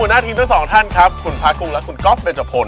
หน้าทีมทั้งสองท่านครับคุณพระกุ้งและคุณก๊อฟเบจพล